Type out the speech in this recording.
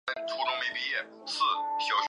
属名是以化石发现地的埃布拉赫市为名。